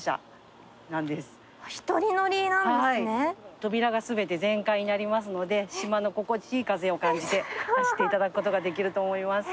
扉が全て全開になりますので島の心地いい風を感じて走っていただくことができると思います。